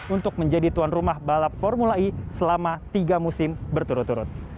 untuk menjadi tuan rumah balap formula e selama tiga musim berturut turut